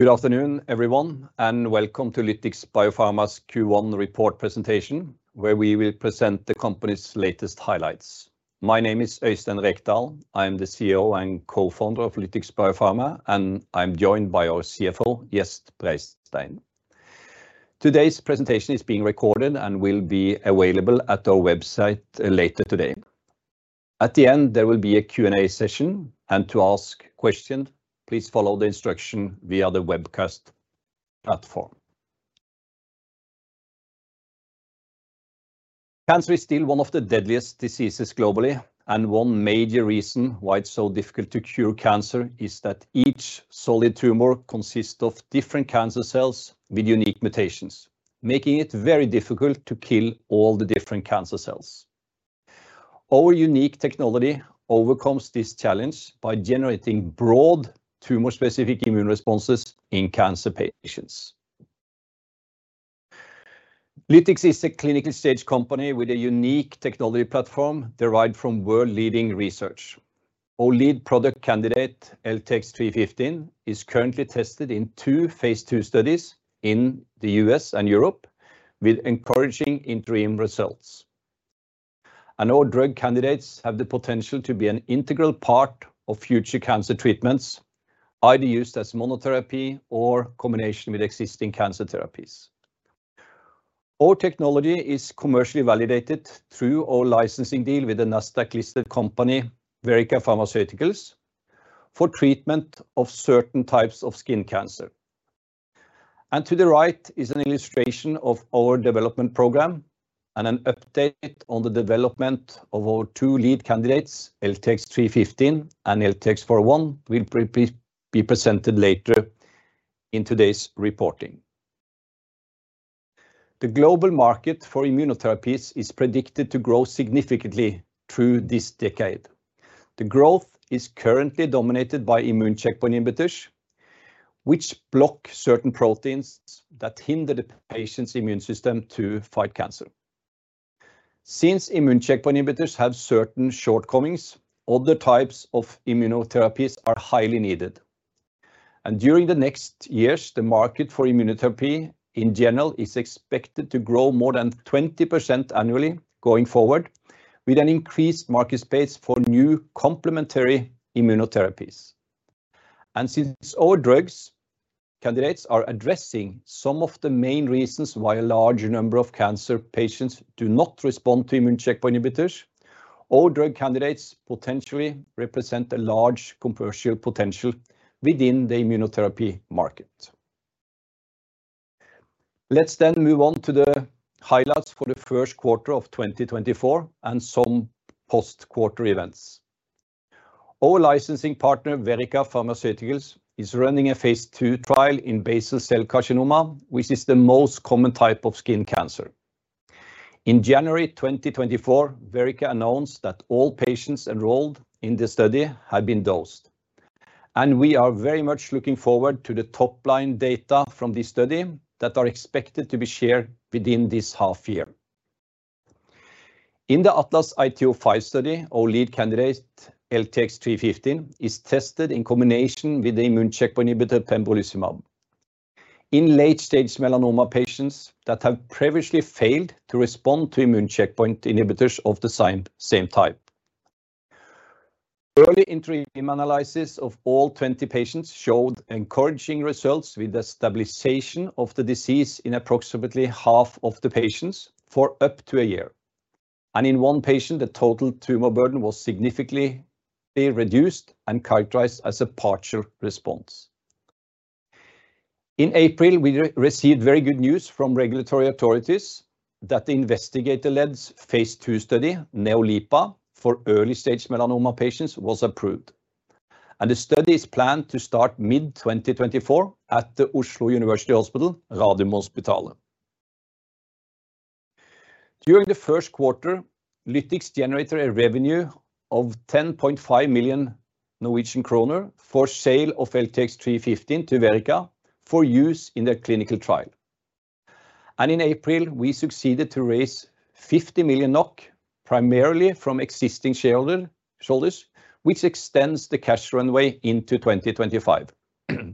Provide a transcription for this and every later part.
Good afternoon, everyone, and welcome to Lytix Biopharma's Q1 Report Presentation, where we will present the company's latest highlights. My name is Øystein Rekdal. I'm the CEO and co-founder of Lytix Biopharma, and I'm joined by our CFO, Gjest Breistein. Today's presentation is being recorded and will be available at our website later today. At the end, there will be a Q&A session, and to ask questions, please follow the instruction via the webcast platform. Cancer is still one of the deadliest diseases globally, and one major reason why it's so difficult to cure cancer is that each solid tumor consists of different cancer cells with unique mutations, making it very difficult to kill all the different cancer cells. Our unique technology overcomes this challenge by generating broad, tumor-specific immune responses in cancer patients. Lytix is a clinical stage company with a unique technology platform derived from world-leading research. Our lead product candidate, LTX-315, is currently tested in two phase II studies in the U.S. and Europe, with encouraging interim results. Our drug candidates have the potential to be an integral part of future cancer treatments, either used as monotherapy or combination with existing cancer therapies. Our technology is commercially validated through our licensing deal with the Nasdaq-listed company, Verrica Pharmaceuticals, for treatment of certain types of skin cancer. To the right is an illustration of our development program and an update on the development of our two lead candidates, LTX-315 and LTX-401, will be presented later in today's reporting. The global market for immunotherapies is predicted to grow significantly through this decade. The growth is currently dominated by immune checkpoint inhibitors, which block certain proteins that hinder the patient's immune system to fight cancer. Since immune checkpoint inhibitors have certain shortcomings, other types of immunotherapies are highly needed, and during the next years, the market for immunotherapy in general is expected to grow more than 20% annually going forward, with an increased market space for new complementary immunotherapies. Since our drug candidates are addressing some of the main reasons why a large number of cancer patients do not respond to immune checkpoint inhibitors, our drug candidates potentially represent a large commercial potential within the immunotherapy market. Let's then move on to the highlights for the first quarter of 2024 and some post-quarter events. Our licensing partner, Verrica Pharmaceuticals, is running a phase II trial in basal cell carcinoma, which is the most common type of skin cancer. In January 2024, Verrica announced that all patients enrolled in the study had been dosed, and we are very much looking forward to the top-line data from this study that are expected to be shared within this half year. In the ATLAS-IT-05 study, our lead candidate, LTX-315, is tested in combination with the immune checkpoint inhibitor pembrolizumab in late-stage melanoma patients that have previously failed to respond to immune checkpoint inhibitors of the same type. Early interim analysis of all 20 patients showed encouraging results, with the stabilization of the disease in approximately half of the patients for up to a year. And in one patient, the total tumor burden was significantly reduced and characterized as a partial response. In April, we received very good news from regulatory authorities that the investigator-led Phase II study, NeoLIPA, for early-stage melanoma patients was approved. The study is planned to start mid-2024 at the Oslo University Hospital, Radiumhospitalet. During the first quarter, Lytix generated a revenue of 10.5 million Norwegian kroner for sale of LTX-315 to Verrica for use in their clinical trial. In April, we succeeded to raise 50 million NOK, primarily from existing shareholders, which extends the cash runway into 2025. At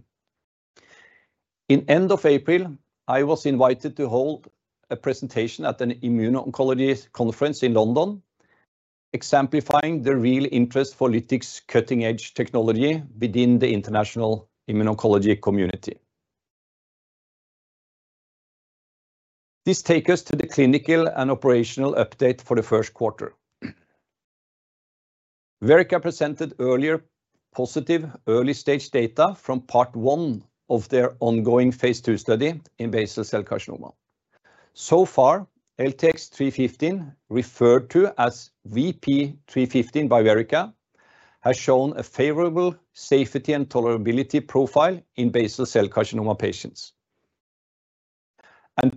the end of April, I was invited to hold a presentation at an immuno-oncology conference in London, exemplifying the real interest for Lytix's cutting-edge technology within the international immuno-oncology community. This takes us to the clinical and operational update for the first quarter. Verrica presented earlier positive early-stage data from part 1 of their ongoing phase II study in basal cell carcinoma. So far, LTX-315, referred to as VP-315 by Verrica, has shown a favorable safety and tolerability profile in basal cell carcinoma patients.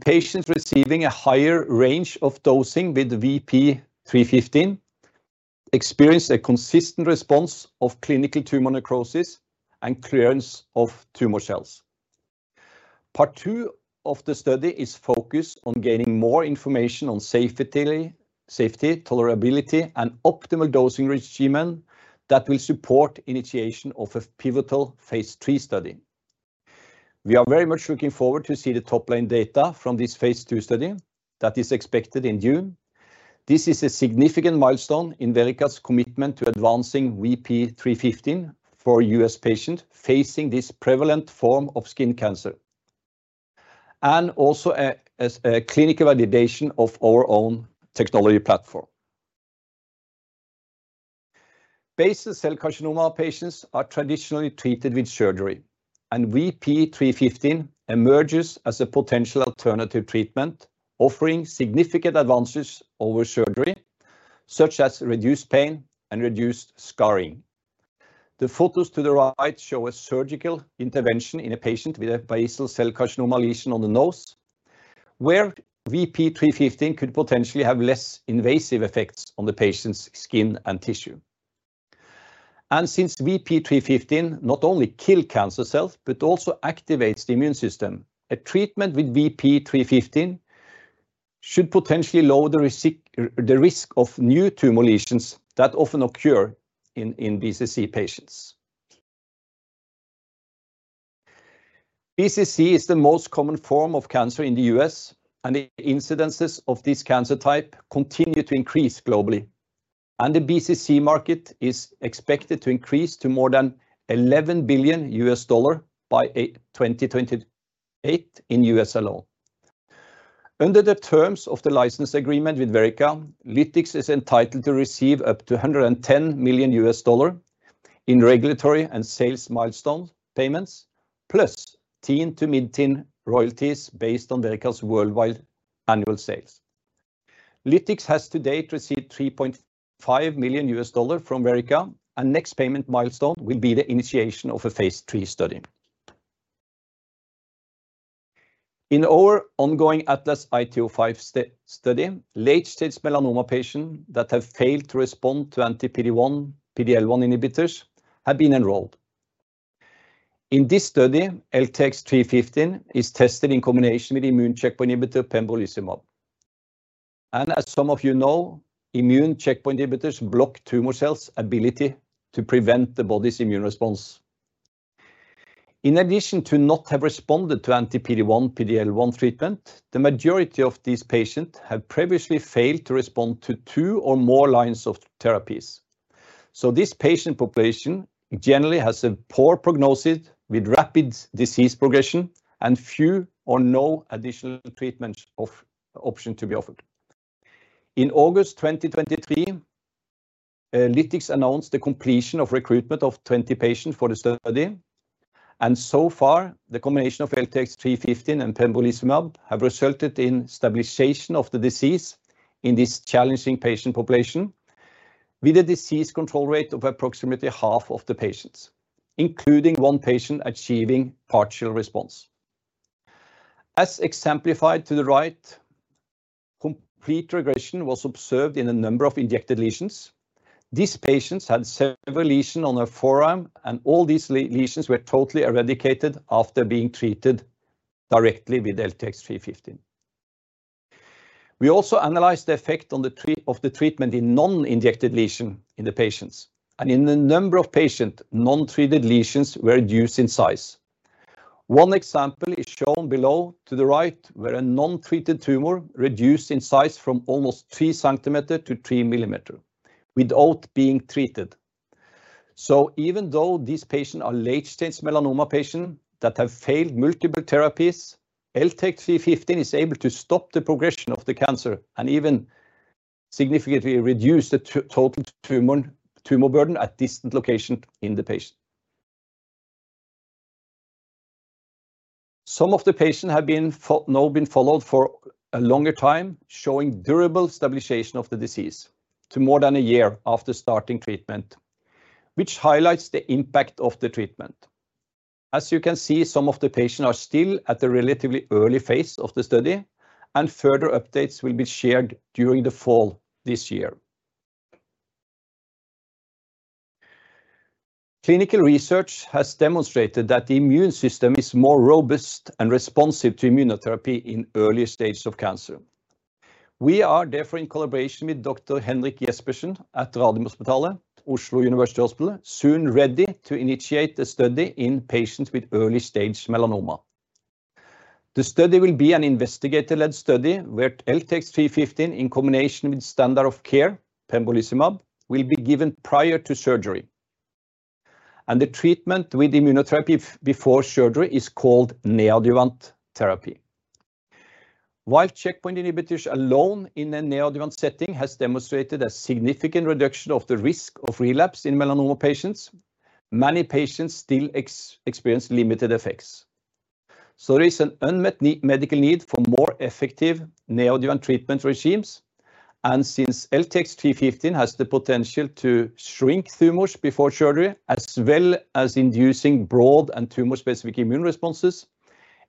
Patients receiving a higher range of dosing with VP-315 experienced a consistent response of clinical tumor necrosis and clearance of tumor cells… Part 2 of the study is focused on gaining more information on safety, tolerability, and optimal dosing regimen that will support initiation of a pivotal phase II study. We are very much looking forward to see the top-line data from this phase II study that is expected in June. This is a significant milestone in Verrica's commitment to advancing VP-315 for U.S. patient facing this prevalent form of skin cancer, and also a clinical validation of our own technology platform. Basal cell carcinoma patients are traditionally treated with surgery, and VP-315 emerges as a potential alternative treatment, offering significant advances over surgery, such as reduced pain and reduced scarring. The photos to the right show a surgical intervention in a patient with a basal cell carcinoma lesion on the nose, where VP-315 could potentially have less invasive effects on the patient's skin and tissue. And since VP-315 not only kill cancer cells, but also activates the immune system, a treatment with VP-315 should potentially lower the risk of new tumor lesions that often occur in BCC patients. BCC is the most common form of cancer in the U.S., and the incidences of this cancer type continue to increase globally. The BCC market is expected to increase to more than $11 billion by 2028 in U.S. alone. Under the terms of the license agreement with Verrica, Lytix is entitled to receive up to $110 million in regulatory and sales milestone payments, plus 10% to mid-teen royalties based on Verrica's worldwide annual sales. Lytix has to date received $3.5 million from Verrica, and next payment milestone will be the initiation of a phase II study. In our ongoing ATLAS-IT-05 study, late-stage melanoma patient that have failed to respond to anti-PD-1, PD-L1 inhibitors have been enrolled. In this study, LTX-315 is tested in combination with immune checkpoint inhibitor pembrolizumab. As some of you know, immune checkpoint inhibitors block tumor cells ability to prevent the body's immune response. In addition to not have responded to anti-PD-1, PD-L1 treatment, the majority of these patients have previously failed to respond to two or more lines of therapies. So this patient population generally has a poor prognosis with rapid disease progression and few or no additional treatments of option to be offered. In August 2023, Lytix announced the completion of recruitment of 20 patients for the study, and so far, the combination of LTX-315 and pembrolizumab have resulted in stabilization of the disease in this challenging patient population, with a disease control rate of approximately half of the patients, including one patient achieving partial response. As exemplified to the right, complete regression was observed in a number of injected lesions. These patients had several lesions on their forearm, and all these lesions were totally eradicated after being treated directly with LTX-315. We also analyzed the effect of the treatment in non-injected lesions in the patients, and in a number of patients, non-treated lesions were reduced in size. One example is shown below to the right, where a non-treated tumor reduced in size from almost 3 cm to 3 mm without being treated. So even though these patients are late-stage melanoma patients that have failed multiple therapies, LTX-315 is able to stop the progression of the cancer and even significantly reduce the total tumor burden at distant location in the patient. Some of the patients have now been followed for a longer time, showing durable stabilization of the disease to more than a year after starting treatment, which highlights the impact of the treatment. As you can see, some of the patients are still at the relatively early phase of the study, and further updates will be shared during the fall this year. Clinical research has demonstrated that the immune system is more robust and responsive to immunotherapy in earlier stages of cancer. We are therefore, in collaboration with Dr. Henrik Jespersen at Radiumhospitalet, Oslo University Hospital, soon ready to initiate a study in patients with early stage melanoma. The study will be an investigator-led study, where LTX-315, in combination with standard of care, pembrolizumab, will be given prior to surgery. The treatment with immunotherapy before surgery is called neoadjuvant therapy. While checkpoint inhibitors alone in a neoadjuvant setting has demonstrated a significant reduction of the risk of relapse in melanoma patients, many patients still experience limited effects. There is an unmet medical need for more effective neoadjuvant treatment regimes. Since LTX-315 has the potential to shrink tumors before surgery, as well as inducing broad and tumor-specific immune responses,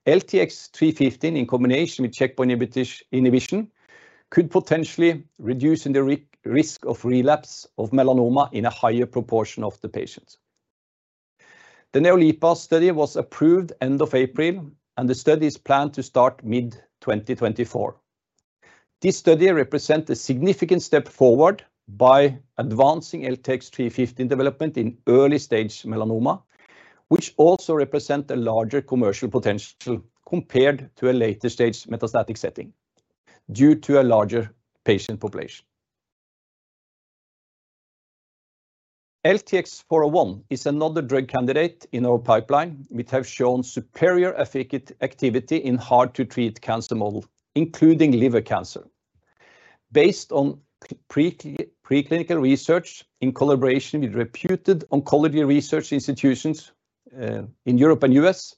LTX-315, in combination with checkpoint inhibition, could potentially reduce in the risk of relapse of melanoma in a higher proportion of the patients. The NeoLIPA study was approved end of April, and the study is planned to start mid-2024. This study represent a significant step forward by advancing LTX-315 development in early stage melanoma, which also represent a larger commercial potential compared to a later stage metastatic setting due to a larger patient population. LTX-401 is another drug candidate in our pipeline, which have shown superior efficacy activity in hard to treat cancer model, including liver cancer. Based on preclinical research in collaboration with reputed oncology research institutions in Europe and U.S.,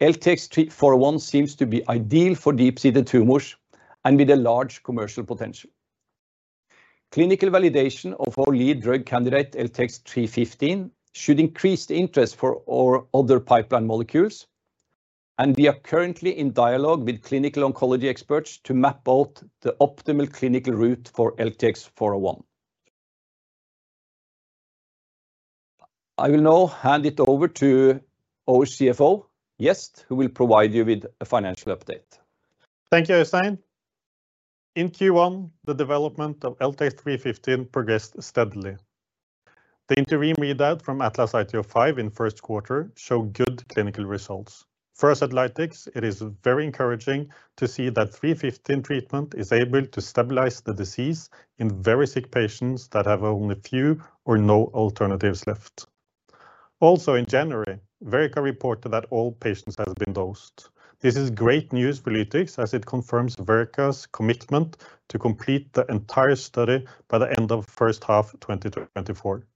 LTX-401 seems to be ideal for deep-seated tumors and with a large commercial potential. Clinical validation of our lead drug candidate, LTX-315, should increase the interest for our other pipeline molecules, and we are currently in dialogue with clinical oncology experts to map out the optimal clinical route for LTX-401. I will now hand it over to our CFO, Gjest, who will provide you with a financial update. Thank you, Øystein. In Q1, the development of LTX-315 progressed steadily. The interim readout from ATLAS-IT-05 in first quarter showed good clinical results. First, at Lytix, it is very encouraging to see that 315 treatment is able to stabilize the disease in very sick patients that have only few or no alternatives left. Also, in January, Verrica reported that all patients have been dosed. This is great news for Lytix, as it confirms Verrica's commitment to complete the entire study by the end of first half 2024.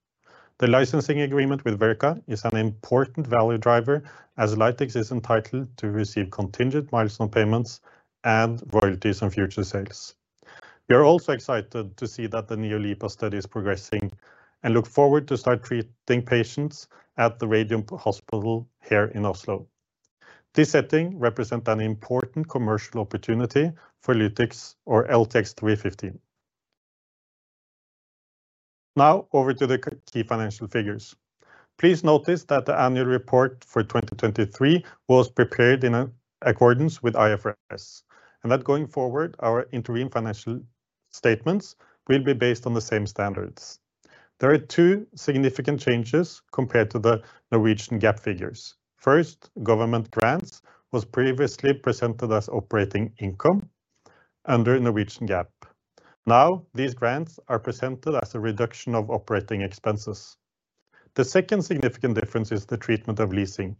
The licensing agreement with Verrica is an important value driver, as Lytix is entitled to receive contingent milestone payments and royalties on future sales. We are also excited to see that the NeoLIPA study is progressing and look forward to start treating patients at the Radiumhospitalet here in Oslo. This setting represents an important commercial opportunity for Lytix or LTX-315. Now, over to the key financial figures. Please notice that the annual report for 2023 was prepared in accordance with IFRS, and that going forward, our interim financial statements will be based on the same standards. There are two significant changes compared to the Norwegian GAAP figures. First, government grants was previously presented as operating income under Norwegian GAAP. Now, these grants are presented as a reduction of operating expenses. The second significant difference is the treatment of leasing.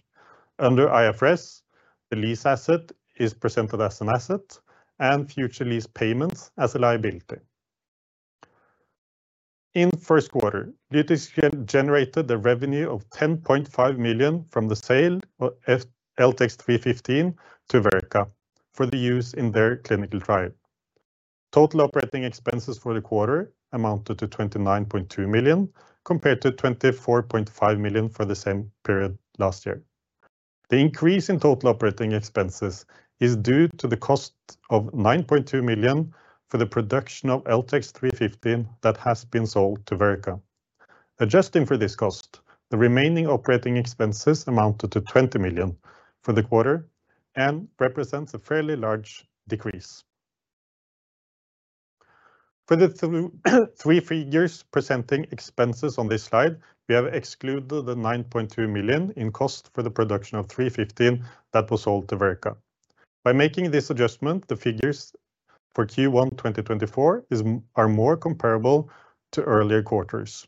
Under IFRS, the lease asset is presented as an asset and future lease payments as a liability. In first quarter, Lytix generated a revenue of 10.5 million from the sale of LTX-315 to Verrica for the use in their clinical trial. Total operating expenses for the quarter amounted to 29.2 million, compared to 24.5 million for the same period last year. The increase in total operating expenses is due to the cost of 9.2 million for the production of LTX-315 that has been sold to Verrica. Adjusting for this cost, the remaining operating expenses amounted to 20 million for the quarter and represents a fairly large decrease. For the three figures presenting expenses on this slide, we have excluded the 9.2 million in cost for the production of LTX-315 that was sold to Verrica. By making this adjustment, the figures for Q1 2024 is, are more comparable to earlier quarters.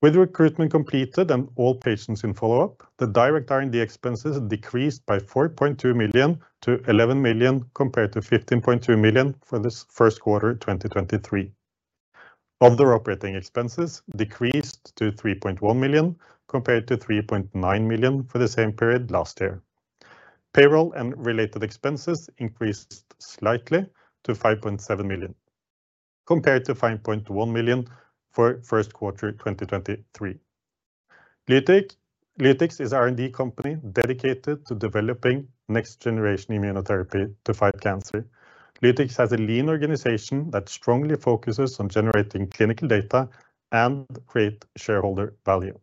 With recruitment completed and all patients in follow-up, the direct R&D expenses decreased by 4.2 million to 11 million, compared to 15.2 million for this first quarter 2023. Other operating expenses decreased to 3.1 million, compared to 3.9 million for the same period last year. Payroll and related expenses increased slightly to 5.7 million, compared to 5.1 million for first quarter 2023. Lytix, Lytix is R&D company dedicated to developing next generation immunotherapy to fight cancer. Lytix has a lean organization that strongly focuses on generating clinical data and create shareholder value.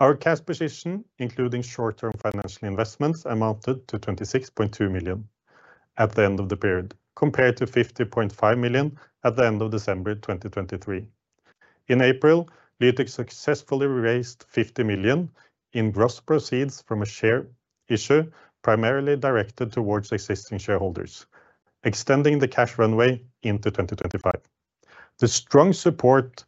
Our cash position, including short-term financial investments, amounted to 26.2 million at the end of the period, compared to 50.5 million at the end of December 2023. In April, Lytix successfully raised 50 million in gross proceeds from a share issue, primarily directed towards existing shareholders, extending the cash runway into 2025. The strong support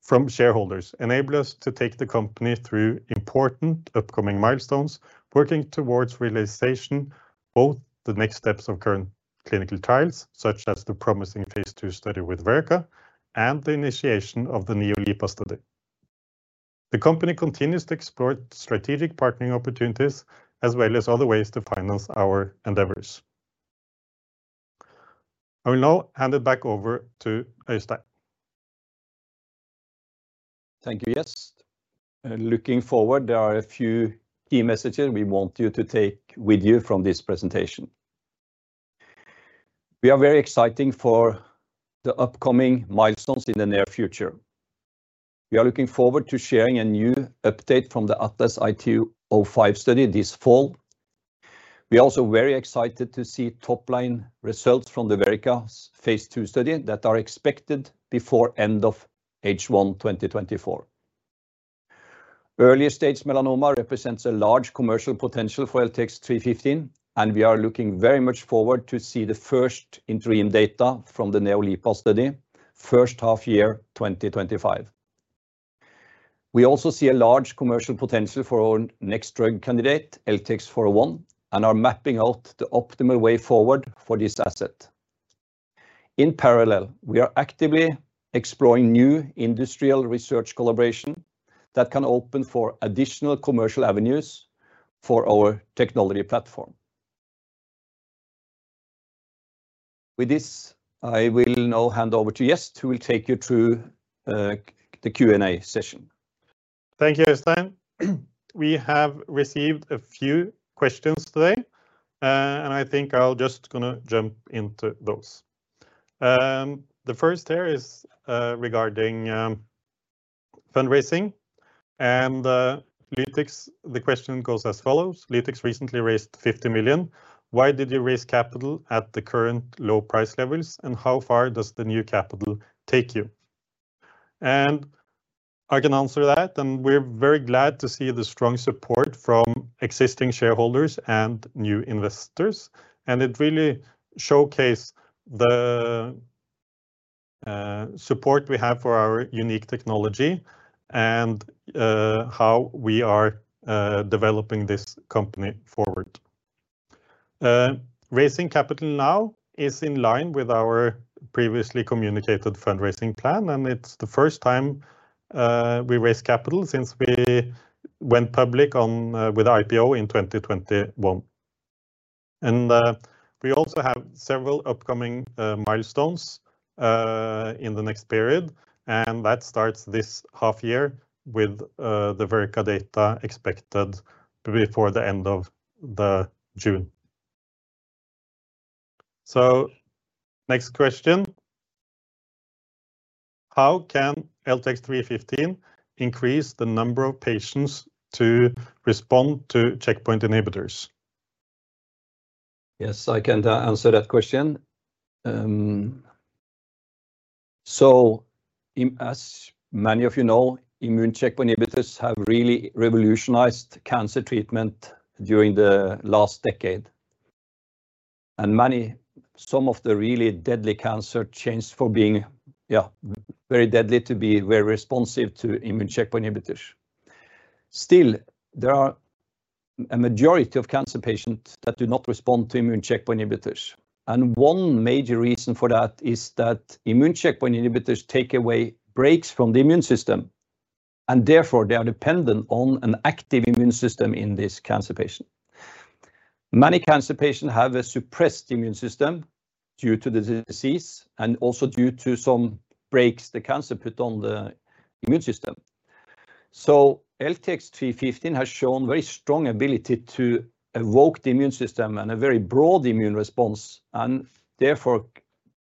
from shareholders enable us to take the company through important upcoming milestones, working towards realization, both the next steps of current clinical trials, such as the promising phase II study with Verrica, and the initiation of the NeoLIPA study. The company continues to explore strategic partnering opportunities, as well as other ways to finance our endeavors. I will now hand it back over to Øystein.... Thank you, Gjest. Looking forward, there are a few key messages we want you to take with you from this presentation. We are very exciting for the upcoming milestones in the near future. We are looking forward to sharing a new update from the ATLAS-IT-05 study this fall. We are also very excited to see top-line results from the Verrica phase II study that are expected before end of H1 2024. Early-stage melanoma represents a large commercial potential for LTX-315, and we are looking very much forward to see the first interim data from the NeoLIPA study, first half year 2025. We also see a large commercial potential for our next drug candidate, LTX-401, and are mapping out the optimal way forward for this asset. In parallel, we are actively exploring new industrial research collaboration that can open for additional commercial avenues for our technology platform. With this, I will now hand over to Gjest, who will take you through the Q&A session. Thank you, Øystein. We have received a few questions today, and I think I'll just gonna jump into those. The first here is regarding fundraising and Lytix. The question goes as follows: Lytix recently raised 50 million. Why did you raise capital at the current low price levels, and how far does the new capital take you? And I can answer that, and we're very glad to see the strong support from existing shareholders and new investors, and it really showcase the support we have for our unique technology and how we are developing this company forward. Raising capital now is in line with our previously communicated fundraising plan, and it's the first time we raise capital since we went public on with IPO in 2021. And, we also have several upcoming milestones in the next period, and that starts this half year with the Verrica data expected before the end of June. So next question: How can LTX-315 increase the number of patients to respond to checkpoint inhibitors? Yes, I can answer that question. So as many of you know, immune checkpoint inhibitors have really revolutionized cancer treatment during the last decade. And many... Some of the really deadly cancer changed for being, yeah, very deadly to be very responsive to immune checkpoint inhibitors. Still, there are a majority of cancer patients that do not respond to immune checkpoint inhibitors, and one major reason for that is that immune checkpoint inhibitors take away brakes from the immune system, and therefore, they are dependent on an active immune system in this cancer patient. Many cancer patients have a suppressed immune system due to the disease and also due to some brakes the cancer put on the immune system. So LTX 315 has shown very strong ability to evoke the immune system and a very broad immune response, and therefore,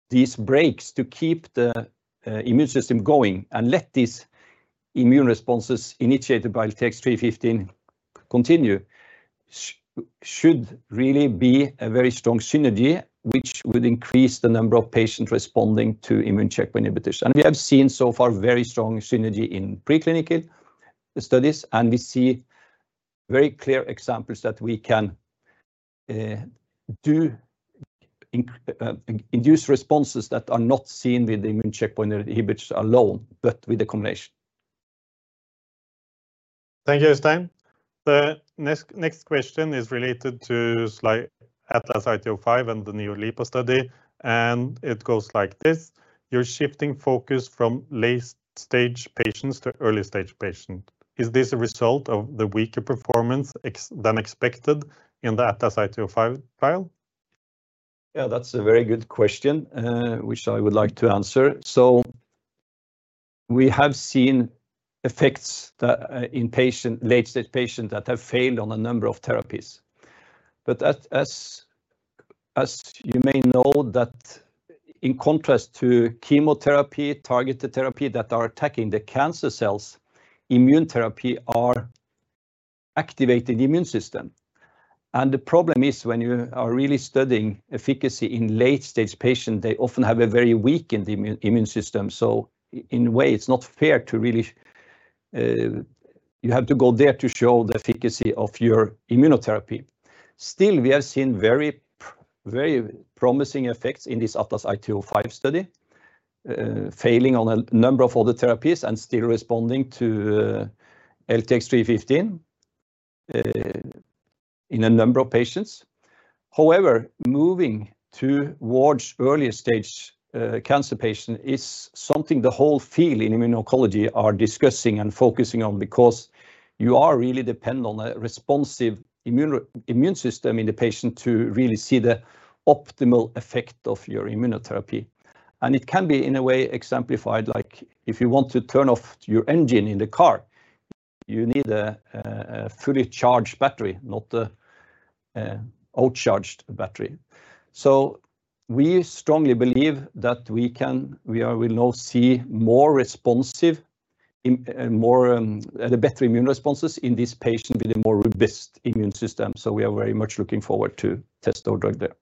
these breaks to keep the immune system going and let these immune responses initiated by LTX 315 continue, should really be a very strong synergy, which would increase the number of patients responding to immune checkpoint inhibitors. We have seen so far very strong synergy in preclinical studies, and we see very clear examples that we can induce responses that are not seen with immune checkpoint inhibitors alone, but with the combination. Thank you, Øystein. The next question is related to ATLAS-IT-05 and the NeoLIPA study, and it goes like this: You're shifting focus from late-stage patients to early-stage patients. Is this a result of the weaker performance than expected in the ATLAS-IT-05 trial? Yeah, that's a very good question, which I would like to answer. So we have seen effects in late-stage patients that have failed on a number of therapies. But as you may know, that in contrast to chemotherapy, targeted therapy that are attacking the cancer cells, immune therapy are activating the immune system. And the problem is, when you are really studying efficacy in late-stage patients, they often have a very weakened immune system. So in a way, it's not fair to really... You have to go there to show the efficacy of your immunotherapy. Still, we have seen very, very promising effects in this ATLAS-IT-05 study, failing on a number of other therapies and still responding to LTX-315 in a number of patients. However, moving towards earlier stage cancer patient is something the whole field in immuno-oncology are discussing and focusing on because you are really dependent on a responsive immune system in the patient to really see the optimal effect of your immunotherapy. And it can be, in a way, exemplified, like if you want to turn off your engine in the car you need a fully charged battery, not an overcharged battery. So we strongly believe that we will now see more responsive, better immune responses in this patient with a more robust immune system. So we are very much looking forward to test our drug there.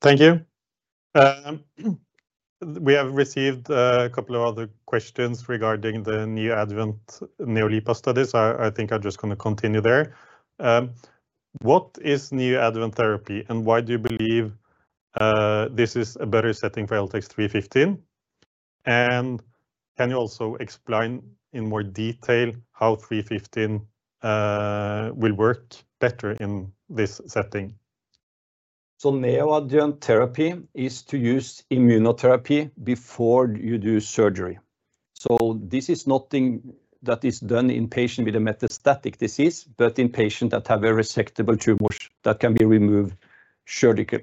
Thank you. We have received a couple of other questions regarding the neoadjuvant NeoLIPA studies. I think I'm just gonna continue there. What is neoadjuvant therapy, and why do you believe this is a better setting for LTX-315? And can you also explain in more detail how LTX-315 will work better in this setting? Neoadjuvant therapy is to use immunotherapy before you do surgery. This is nothing that is done in patient with a metastatic disease, but in patient that have a resectable tumor that can be removed surgically.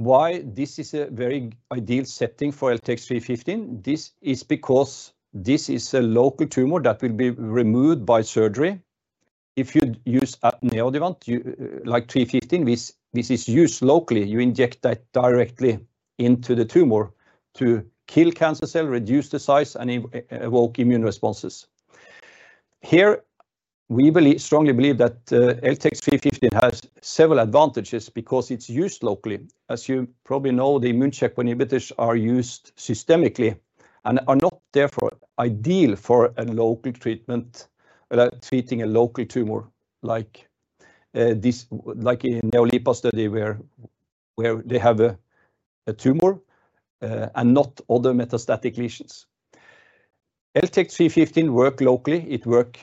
Why this is a very ideal setting for LTX-315? This is because this is a local tumor that will be removed by surgery. If you use a neoadjuvant, you, like LTX-315, this is used locally. You inject that directly into the tumor to kill cancer cell, reduce the size, and evoke immune responses. Here, we believe, strongly believe that, LTX-315 has several advantages because it's used locally. As you probably know, the immune checkpoint inhibitors are used systemically and are not therefore ideal for a local treatment, treating a local tumor like this like in the NeoLIPA study, where they have a tumor and not other metastatic lesions. LTX-315 work locally, it work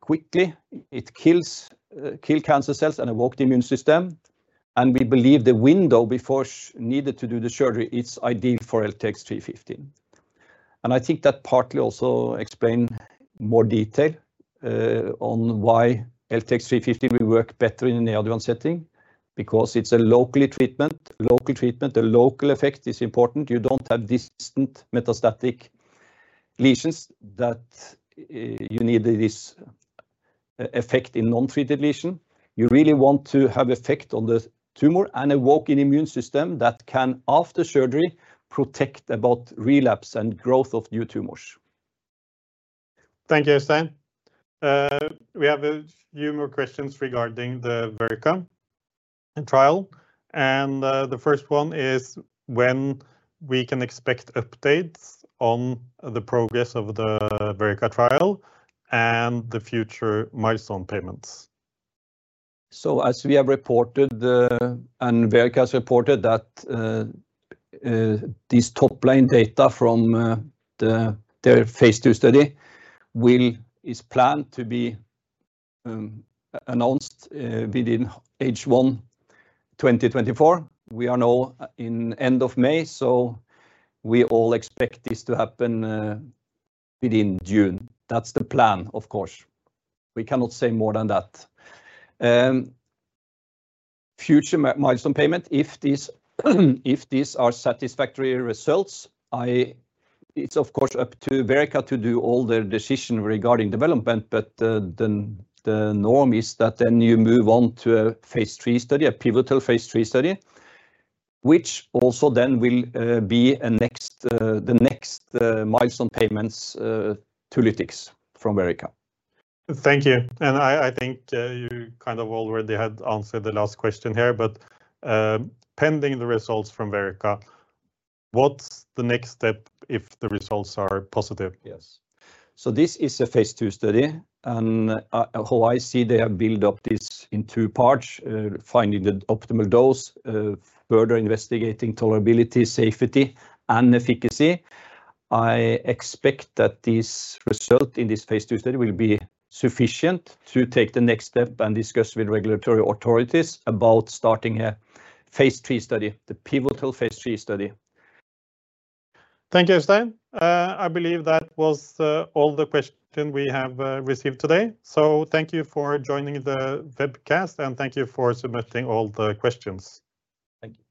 quickly, it kills kill cancer cells and evoke the immune system, and we believe the window before needed to do the surgery, it's ideal for LTX-315. And I think that partly also explain more detail on why LTX-315 will work better in the neoadjuvant setting, because it's a local treatment. Local treatment, a local effect is important. You don't have distant metastatic lesions that you need this effect in non-treated lesion. You really want to have effect on the tumor and awaken immune system that can, after surgery, protect against relapse and growth of new tumors. Thank you, Øystein. We have a few more questions regarding the Verrica trial, and the first one is when we can expect updates on the progress of the Verrica trial and the future milestone payments? So as we have reported, and Verrica has reported that, these top-line data from their phase II study is planned to be announced within H1 2024. We are now in end of May, so we all expect this to happen within June. That's the plan of course. We cannot say more than that. Future milestone payment, if these are satisfactory results. It's of course up to Verrica to do all their decision regarding development, but, the norm is that then you move on to a phase III study, a pivotal phase III study, which also then will be the next milestone payments to Lytix from Verrica. Thank you. And I think you kind of already had answered the last question here, but pending the results from Verrica, what's the next step if the results are positive? Yes. So this is a phase IIstudy, and, how I see they have built up this in two parts: finding the optimal dose, further investigating tolerability, safety, and efficacy. I expect that this result in this phase II study will be sufficient to take the next step and discuss with regulatory authorities about starting a phase III study, the pivotal phase III study. Thank you, Øystein. I believe that was all the question we have received today. So thank you for joining the webcast, and thank you for submitting all the questions. Thank you.